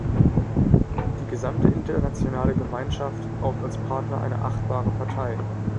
Die gesamte internationale Gemeinschaft braucht als Partner eine achtbare Partei.